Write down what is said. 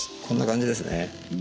こんな感じですね。